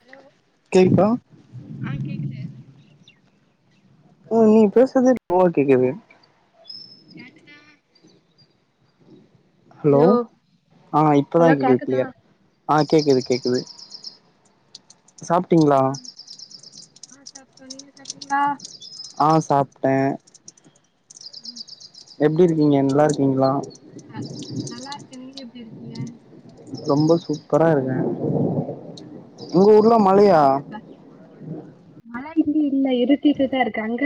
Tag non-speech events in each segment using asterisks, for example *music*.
Hello கேக்குதா ஆஹ கேக்குது *unintelligible* ஹலோ ஆஹ் இப்பதான் கேக்குது கிலியரா ஆஹ் கேக்குது கேக்குது சாப்ட்டிங்களா நீங்க சாப்டீங்களா *unintelligible* ஆஹ சாப்பிட்டேன் உம் *unintelligible* எப்படி இருக்கீங்க நல்லா இருக்கீங்களா ஆஹ நல்லா இருக்கேன் நீங்க எப்படி இருக்கீங்க ரொம்ப சூப்பரா இருக்கேன் உங்க ஊர்ல மழையா இல்ல இல்ல இருட்டிட்டு தான் இருக்கு அங்க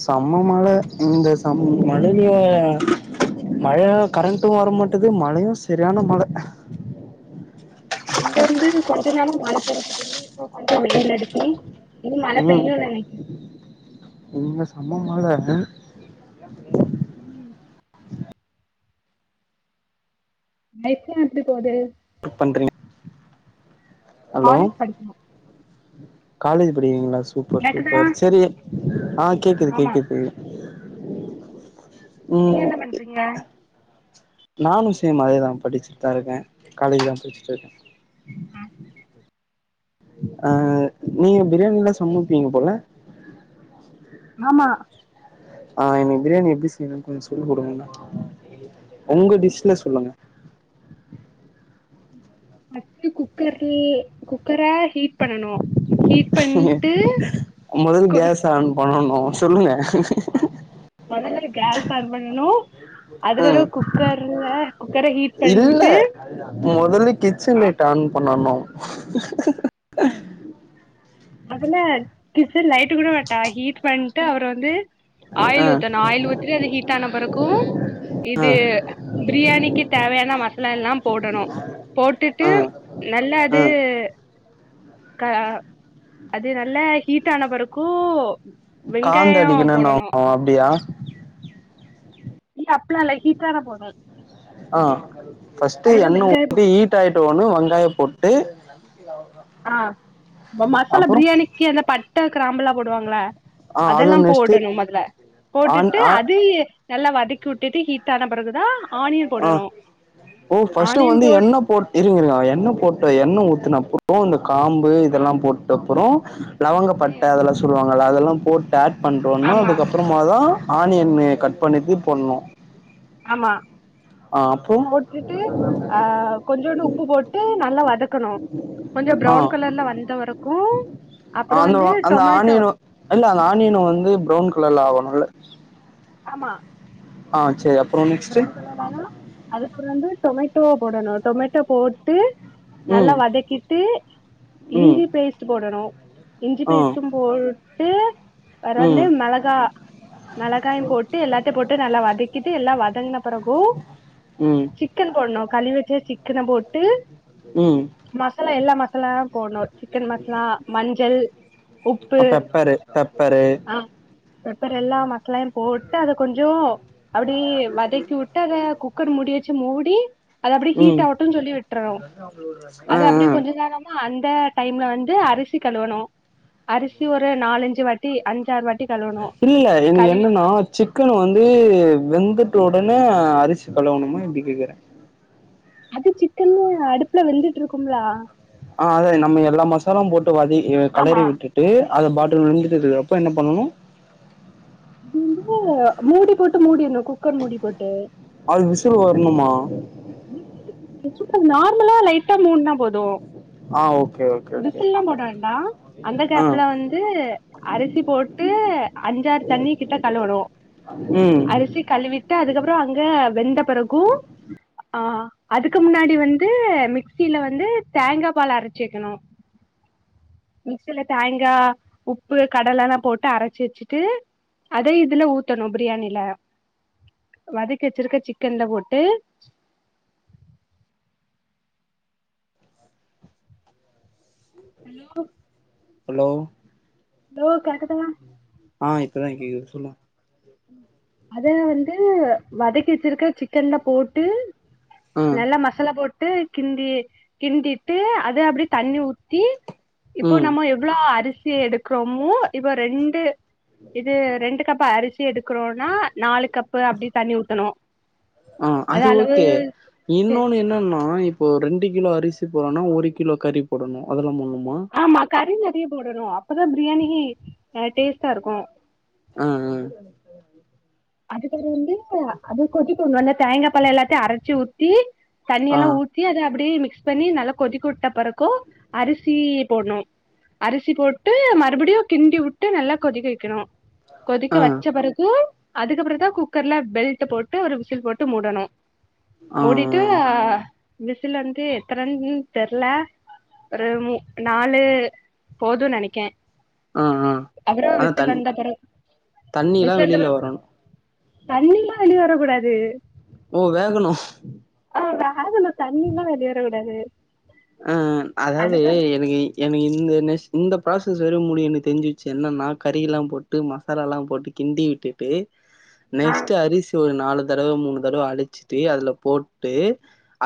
செம்ம மழை இந்த செம்ம மழையிலயே மழைல கரண்ட்டும் வர மாட்டுது மழையும் சரியான மழை இங்க வந்து கொஞ்சநாளும் மழை பேஞ்சுட்டு இருந்து இப்ப கொஞ்சம் வெயில் அடிச்சி இது மழை ம் பெய்யும் நினைக்கு இங்க செம மழை வருது நேத்து எப்படி போகுது பண்றீங்க ஹலோ காலேஜ் படிக்கனும் காலேஜ் படிக்கீரிங்களா சூப்பர் சூப்பர் சரி ஆஹ் கேக்குது ஆமா கேக்குது *inaudible* நீங்க என்ன பண்றீங்க நானும் சேம் அதேதான் படிச்சுட்டு தான் இருக்கேன் காலேஜ் தான் படிச்சுட்டு இருக்கேன் ஆஹ நீங்க பிரியாணிலாம் சமப் பீங்க போல ஆமா ஆஹ் என்னை பிரியாணி எப்படி செய்யணும்னு கொஞ்சம் சொல்லி கொடுங்கா உங்க டிஷ்ல சொல்லுங்க பஸ்ட் குக்கர்ல குக்கரா ஹீட் பண்ணனும் க்குங் முதல்ல கேஸ் ஆன் பண்ணணும் ஓ சொல்லுங்க கேஸ்ச ஆன் பண்ணணும் உம் அதுக்கப்புறம் குக்கர்ல குக்கரை ஹீட் இல்ல பண்ணிட்டு முதல்ல கிச்சன் ஆ, லைட்ட ஆன் பண்ணணும் *inaudible* முதல்ல கிச்சன் லைட் கூட மாட்டா ஹீட் பண்ணிட்டு அவரு வந்து ஆ ஆயில் ஊத்தணும் ஆயில் ஊத்திட்டு அது ஹீட் ஆன பிறகும் ஆ இது பிரியாணிக்கு தேவையான மசாலா எல்லாம் போடணும் போட்டுட்டு ஆ நல்லா ஆ அது அஹ *unintelligible* அது நல்ல ஹீட் ஆன பெருக்கும் காந்த அடிக்கணும்னுனாங்க அப்படியா இல்ல அப்ள இல்ல ஹீட்டான போதும் ஆஹ பஸ்ட்டு எண்ண் வெங்காயோ போ உஊத்தி ஹீட் ஆயிட்ட உடனே வெங்காயம் போட்டு டேய் *unintelligible* ஆஹ் மசாலா அப்றோ பிரியாணிக்கு அந்த பட்ட கிராம்புலா போடுவாங்களா ஆ அது அதெல்லாம் நெக்ஸ்ட்டு போடணும் முதல ஆன் போட்டுட்டு ஆன் அது நல்லா வதக்கி வுட்டுட்டு ஹீட் *unintelligible* ஆஹ் போடணு ஓ பஸ்ட் ஆனியன் வந்து போட் எண்ண போட்டு இருங்க இருங்க எண்ண போட்டு எண்ண ஊத்தி நான் போவில *unintelligible* காம்பு ஆ இதெல்லாம் போட்ட அப்புறம் ஆஹ *unintelligible* லவங்கப்பட்ட ம் அதெல்லாம் சொல்லுவாங்க அதல அதெல்லாம் போட்டு ஸ்டார்ட் பண்ணுறோன்னும் ஆமா அதுக்கப்புறமா தான் ஆனியன்னு கட் பண்ணிட்டு போடனும் ஆமா போட்டுட்டு அஹ கொஞ்சோண்டு உப்பு போட்டு நல்லா வதக்கணும் கொஞ்சம் ஆ ப்ரௌன் கலர்ல வந்த வரைக்கும் அப்புறம் அந்த வந்து அந்த டொமேட்டோ ஆனியன் இல்ல இல்லா ஒன்னும் இல்ல ஆமா ஆஹ் சரி அப்ப பிரவுன் கலர் ஆனா அதுப்புறம் வந்து டொமேட்டோவ போடணும் டொமேட்டோ போட்டு நல்லா ம் வதக்கிட்டு ம் இஞ்சி பேஸ்ட் போடணும் இஞ்சி ஆ பேச்டும் போல் பறம் வந்து ம் மிளகாய் மிளகாயும் போட்டு எல்லாத்தையும் போட்டு நல்லா வதக்கிட்டு எல்லாம் வத என்ன அப் *unintelligible* பிறகு ம் சிக்கன் போடணும் களுவி வச்ச இக்கனை போட்டு ம் மசாலா எல்லாம் எல்லாம் போனோர் சிக்கன் மசாலா மஞ்சள் உப்பு ஆ பெப்பரு பெப்பரு ஆ பெப்பர் எல்லா மசாலையு போட்டு அத கொஞ்சொ அப்டி வ இக்கு விட்டார குக்கர் முடியச்ச ச்சுமூடி அது அப்படி ஹீட் ம் ஆகட்டும்ன்னனு சொல்லி விட்டுறோம் ஆ அது அப்படிய ஆ கொஞ்சம் நேரமா அந்த டைம்ல வந்து அரிசி கழுவணு அரிசி ஒரு நாலஞ்சு வாட்டி அஞ்சாறு வாட்டி கழுவணு இல்ல இனி கழுவி என்னன்னா சிக்கன் வந்து வெந்து உடனே அரிசி கலுவணுமா எப்டி கேக்குறே அது சிக்கன்ல்ல அடுப்புல வெந்துட்டு இருக்கும்லா ஆஹ் அதா நம்ம எல்லா மசாலாம் போட்டு வாதி ஆமா களறி விட்டுட்டு அத *inaudible* பாட்டரூம் வ தக்கறப்போ என்ன பண்ணணும் இது வந்து மூடி போட்டு மூடிற்னும் அது விசிலுவரணுமா ச நார்மலா லைட்டா மூணுனா போதும் ஆ ஓகே ஓகே ஓகே விசில்லா போட வேண்டா அந்த ஆ கேப்ல வந்து அரிசி போட்டு அஞ்சாறு தண்ணி கிட்ட கழுவனு ம் அரிசி கழுவிட்டு அதுக்கப்ரொ அங்க வெந்த பிறகு ஆ அதுக்கு முன்னாடி வந்து மிக்ஸிசியில வந்து தேங்கா பால் அரைச்ச க்கணும் மிக்சில தேங்காய் உப்பு கடலைல்லாம் போட்டு அரைச்சு வச்சுட்டு அதே இதுல ஊத்தணும் பிரியாணியில வதக்கி வச்சிருக்க சிக்கன்ல போட்டு ஹலோ *unintelligible* ஹலோ ப்ரோ கேக்குதுங்ளா ஆஹ் இப்பதான் கேகுது சொல்லுங்க அதே வந்து வதக்கிவச்சிருக்க சிக் கெண்ட போட்டு ஆ நல்லா மசாலா போட்டு ட்டு கிந்தி கிந்திட்டு அதே அப்படிய தண்ணி ஊத்தி இப்போ ம் நம்ம எவ்வளோ அரிசி எடுக்கிறோமோ இப்ப ரெண்டு இது ரெண்டு பாரு *unintelligible* எடுக்கிறோனா நாளு கப்பு அப்படி தண்ணி ஊத்தணு ஆஹ் அது ஓகே இன்னொன்னு என்னன்னா இப்போ ரெண்டு கிலோ அரிசி போடனா ஒரு கிலோ கறி போடணு அதலா முன்னு ஆமா கரிங்க *unintelligible* போடணு அப்பதான் பிரியாணி டேஸ்ட்டா இருக்கு உஹம் உம் அதுக்கப்புறொ வந்து அது கொதிக்கு நல்லா தேங்கா பாலெலா எல்லாத்தையு அரைச்சி ஊத்தி தண்ணி ஆ ஆ எல்லாம் ஊற்றி அது அப்டியே மிக்ஸ் பண்ணி நல்லா கொதிக்க விட்ட பிறக்கு அரிசி போடணு அரிசி போட்ட மறுபடியு கிண்டி உட்டு நல்லா கொதிக்க வைக்கணு கொதிக்க வச்ச ஆ பிறகு அதுக்கப்புற தான் குக்கர்ல பெல்ட் போட்டு ஒரு விசில் போட்டு மூடணு ஆ மூடிட்டு ஆ விசில் வந்து எத்தனைன்ன தெர்ல ஒரு நாலு போதும் நெனைக்கேன் ஆஹ் ஆஹ் ஆனா த பிறகு தண்ணில்லா வெளியல வரணு தண்ணில்லா வெளியே வர கூடாது ஓ வேகணும் ஆல்ல தண்ணி எல்லாம் வெளியேரவிடாது ஆஹ் அதாவது எனக்கு எனக்கு இந்த நெஸ் இந்த ப்ராசஸ் வற முடியும்ன்னு தெரிஞ்சு வச்சு என்னன்னா கறிலாம் போட்டு மசாலாலாம் போட்டு கிந்தி விட்டுட்டு நெக்ஸ்ட் அரிசி நாலு தடவை மூணு தடவை அழிச்சுட்டு அதுல போட்டு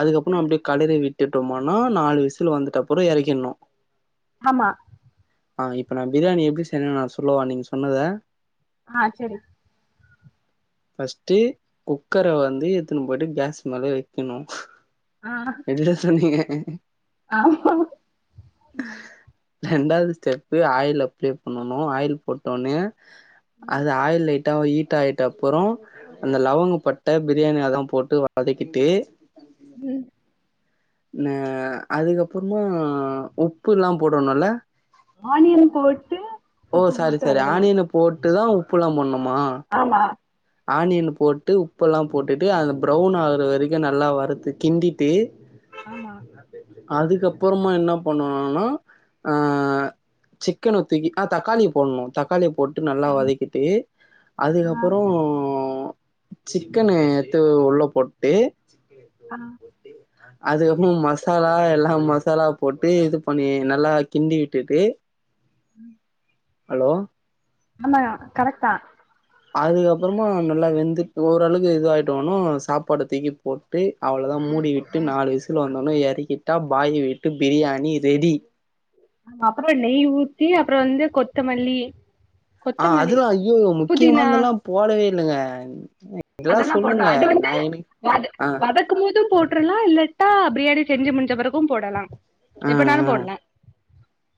அதுக்கப்புறம் அப்பே கெலரி விட்டு ட்டு *unintelligible* நா நாலு விசுலு வந்துட்ட அப்புறொ இறக்கியர்னு ஆமா ஆஹ் இப்ப நான் பிரியாணி எப்படி செய்யணு நா சொல்லுவா நீங்க சொன்னத ஆஹ் சரி பஸ்ட்ட குக்கரை வந்து எத்துன்னு போயிட்டு கேஸ் மேல வைக்கணும் ஆ எதுல சொன்னீங்க உ *unintelligible* ஆமா *inaudible* ரெண்டாவது ஸ்டெப்பு ஆயில் அப்ளை பண்ணணு ஆயில் போட்டோனே அது ஆயில் லைட் ஹீட் ஆகிட்ட அப்புறம் அந்த லவங்க பட்டை பிரியாணி அததான் போட்டு வதக்கிட்டு உம் ன அதுக்கப்புறமா உப்பு ல்லா போடணும்ல ஆனியன் போட்டு ஓ உப்பு சாரி போட்டு சாரி ஆனியன போட்டு அட்டு தான் உப்புலாம் போணும் ஆம்மா ஆனியன் போட்டு உப்பெல்லாம் போட்டுட்டு அந்த ப்ரௌன் ஆகுற வரைக்கும் நல்லா வறுத்து கிண்டிட்டு ஆம்மா *unintelligible* அதுக்கப்புறமா என்ன பண்ணணும்னா அஹ் சிக்கன் வதக்கி ஆஹ் தக்காளியை போடணும் தக்காளியை போட்டு நல்லா வதக்கிட்டு ஆ அதுக்கப்புறம் இப்போ சிக்கனு எத்து உள்ள போட்டு சிக்கலூலாம் போட்டு *unintelligible* அதுகப்புறம் மசாலா எல்லாம் மசாலா போட்டு இது பண்ணி நல்லா கிண்டி விட்டுட்டு உம் *unintelligible* ஹலோ ஆம்மா கரெக்டா அதுக்கப்புறமா நல்லா வெந்துட் ஓரளக்கு இது ஆயிட்டவனும் சாப்பாடு தூக்கி போட் அவ்ளவுதான் மூடிவிட்டு நாலு விசில் வந்து இறக்கிட்டா பாய் வீட்டு பிரியாணி ரெடி ஆ அப்புறம் நெய் ஊத்தி அப்புறம் வந்து கொத்தமல்லி ஆஹ கொத்தமல்லி அதுவா ஐய்யோ முக்கியமாந்தெல்லாம் போடவே இல்லங்க அன் *unintelligible* அதெல்லாம் போடோனும் அது வந்து வ ஆ வதக்கும் போதும் போட்டு போட்டுலாம் இல்லட்டா பிரியாணி செஞ்சு முடிஞ்ச பிறக்கும் போடலாம் ஹ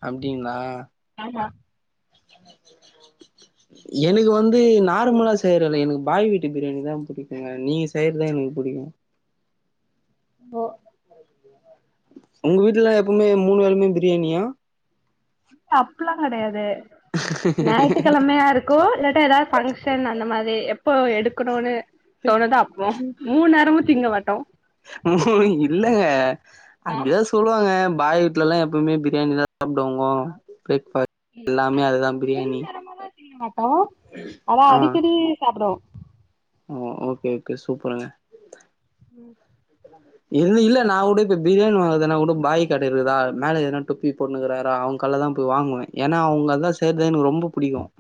ஹஅப்டிங்களா ஆமா எனக்கு வந்து நார்மலா செய்யறல எனக்கு பாய் வீட்டு பிரியாணி தான் பிடிக்குங்க நீங்க செய்யறதான் எனக்கு பிடிக்கும் போ உங்க வீட்ல எப்பவுமே மூணு வேலியமே பிரியாணியா அப்படியெல்லாம் கிடையாது ஞாயிற்றுக்கிழமையா இருக்கும் இல்லாட்டா ஏதாவது பங்க்ஷன் அந்த மாதிரி இப்போ எடுக்கணுனு தோனுதோ அப்போ மூணு நேரமு திங்க மாட்டோ மண *unintelligible* இல்லங்க ஆ அப்படிதான் சொல்லுவாங்க பாய் வீட்டுல எல்லாம் எப்பவுமே பிரியாணி தான் சாப்பிடுவாங்க பிரேக்ஃபாஸ்ட் எல்லாமே அது அதுதான் மூனு பிரியாணி நேரமும் செய்ய மாட்டோம் ஆனா அடிக்கடி சாப்பிடுவோம் ஓ ஓகே ஓகே சூப்பருங்க ம் *unintelligible* இல்லை இல்ல நான் கூட இப்ப பிரியாணி வாங்கறதனா கூட பாய் கடை இருக்குதா மேல ஏதனா டொப்பி போட்ண்ணுக்கிறாரா அவங்க கடைல தான் போய் வாங்குவேன் ஏன்னா அவங்கல்லான் செய்றது எனக்கு ரொம்ப பிடிக்கும்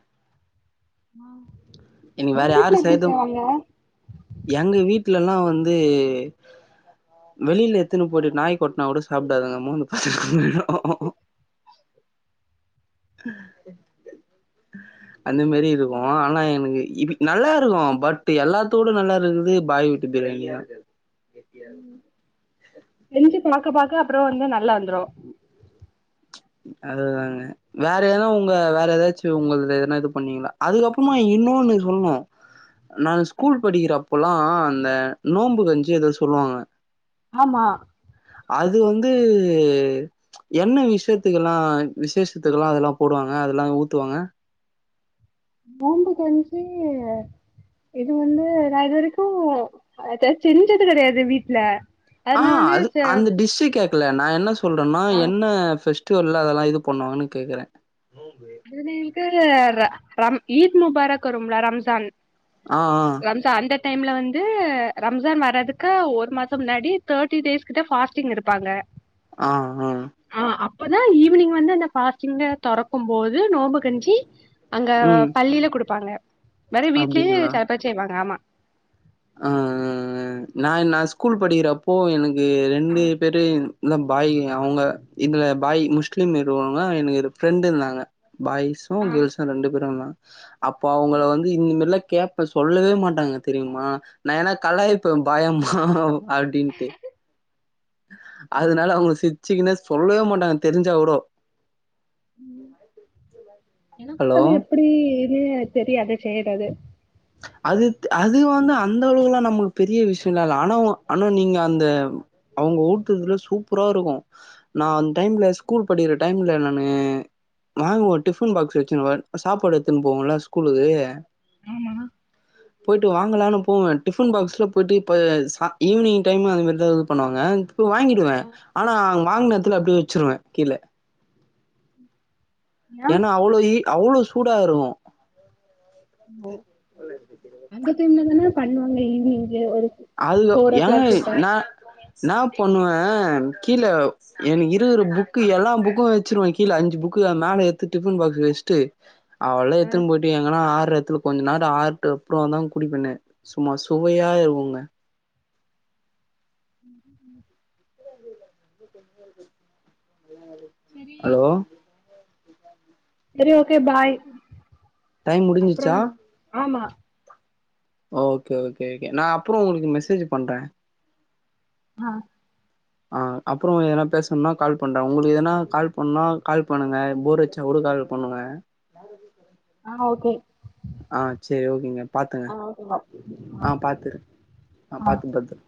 *inaudible* எனக்கு வேற உங்க யாரு வீட்ல எப்டி செய்ரதும் செய்வாங்க *unintelligible* எங்க வீட்டு வீட்லல்லாம் வந்து வெளியில எத்துன்னு போயிட்டு நாய் கொட்டனா கூட சாப்டாதுங்க மோந்து பாக்குதுங்க *inaudible* *inaudible* அந்த மெரி இருக்கும் ஆனா எனக்கு இ நல்லா இருக்கும் பட் எல்லாத்த விட நல்லா இருக்குரது பாய் வீட்டு பிரியாணிதான் எம்ஜியார் செஞ்சு பார்க பாக்க அப்புறம் வந்து நல்லா வந்துரும் அதுதாங்க வேற ஏதா உங்க வேற ஏதாச்சும் உங்க எதனா இது பண்ணீங்களா அதுக்கப்புறமா இன்னோன்னு சொல்னும் நான் ஸ்கூல் படிக்கிறப்ப அப்பல்லாம் அந்த நோம்பு கஞ்சி ஏதோ சொல்லுவாங்க ஆமா அது வந்து என்ன விஷத் அத்திகலாம் விசேஷத்துக்கலாம் அதெல்லாம் போடுவாங்க அதெல்லாம் ஊத்துவாங்க நோம்பு கஞ்சி இது வந்து இது வரைக்கும் செஞ்சது கிடையாது வீட்டுல ஆஹ்ஹ அது அந்தக் டிஸ் கேட் ல்ல நான் என்ன சொல்றன்னா என்ன பெஸ்டிவல்ல அதெல்லாம் இது பண்ணுவாங்கன கேக்குறேன் சரின்டு *unintelligible* *unintelligible* ரம் ஈத் முபாரக் வரும்லா ரம்ஜான் ஆஹ்ஹ் ரம்ஜான் அந்த டைம்ல வந்து ரம்ஜான் வர்றதுகு ஒரு மாசம் முன்னாடி தேர்ட்டி டேஸ் கிட்ட பாஸ்டிங் இருப்பாங்க ஆஹ் ஹ இப்பதான் ஈவினிங் வந்துந்த ஃபாஸ்டிங் தொறக்கும் போ இது நோம்பு கஞ்சி அங்க ம். பள்ளியில குடுப்பாங்க. மறு வீட்லயு அப்டிங்களா? சாப்பாட் செய்வாங்க ஆமா ஆ நா நா ஸ்கூல் படிக்கிறப்போ எனக் கு ஆ ரெண்டு பேரு இந்த பாய் அவங்க இந்த பாய் முஸ்லீம் இருக்கவங்க எனக்கு ஃப்ரெண்டு இருந்தாங்க. பாய்ஸு கேள்ஸு ரெண்டு பேரு இருந்தாங்க. ச்சா அப்ப அவுங்கள வந்து இன்னி மாரிலா கேப்பே சொல்லவே மாட்டாங்க தெரியுமா? நாங்க எல்லா கலாய்ப்போ பாயம்மா அப்டின்ட்டு. அதனால அவங்க சிர் ச்சிக்குனே சொல்லவே மாட்டாங்க தெரிஞ்சா கூடோ *inaudible* எனக்கு அது எப்பிடி இது தெரியாது செய்யறது அது த் அது வந்து அந்த அளவுல்லா நம்மளுக்கு பெரிய விஷயோல்லா இல்ல ஆனா ஒ ஆனா நீங்க அந்த அவங்க ஊத்துறதுல சூப்பரா இருக்கு நா அந்த டைம்ல ஸ்கூல் படிக்கிற டைம்ல நானு நா ஒரு டிஃபன் பாக்ஸ் வச்சுருப்ப சாப்பாடு எடுத்துன்னு போவோல்ல ஸ்கூலுக்கு போயிட்டு வாங்கலான்னு போவே டிஃபன் பாக்ஸ்ல போயிட்டு இப்ப சா ஈவினிங் டைம் அது மாரிதா இது பண்ணுவாங்க. போய் வாங்கிடுவே ஆனா அங் வாங்குனதுல அப்டியே வச்சுருவே கீழ ஏன் ஏன்னா அவ்ளோ இ அவ்ளோ சூடாயிரு ஓ அந்த டைம்லதான பண்ணுவாங்க ஈவி்னிங்கு ஒரு அதுகோ ஃபோர் ஓ ஏ கிளாக் கிட்ட நா என்னா பண்ணுவே கீழ எனக்கு இருக்குற புக்கு எல்லா புக்கு வெச்சிருவ கீழ அஞ்சு புக்கு அ மேல எட்த்து டிஃபன் பாக்ஸ் வச்ட்டு அவ்ளதா ஆ எத்துன்னு போயிட்டு எங்கனா ஆ ற எடத்துல கொஞ்ச நேரோ ஆறுட்டு அப்றோந்தா குடிப்பனே சும்மா சுவையா இருக்குங்க ம் ம் செரி ஹலோ செரி ஓகே பாய் டைம் அப்றோ முடிஞ்சிச்சா பாப் ஆமா ஓகே ஓகே ஓகே நா அப்றோ உங்களுக்கு மெசேஜ் பண்றே. ஆ ஆ அப்றோ எதுனா பேசனுன்னா கால் பண்றே உங்களுக்கு எதுனா கால் பண்னா கால் பண்ணுங்க போரடிச்சா கூட கால் பண்ணுங்க ஆ ஓகே ஆ சேரி ஓகேங்க பாத்துங்க ஆ ஓகே பாய் ஆ பாத்துரு ஆ பாத்து பத்தர